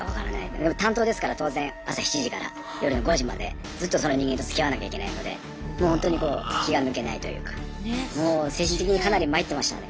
でも担当ですから当然朝７時から夜の５時までずっとその人間とつきあわなきゃいけないのでもうほんとにこう気が抜けないというかもう精神的にかなり参ってましたね。